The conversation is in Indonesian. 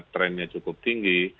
trendnya cukup tinggi